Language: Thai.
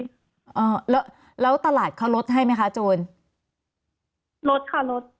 อ่าแล้วแล้วตลาดเขาลดให้ไหมคะโจรลดค่ะลด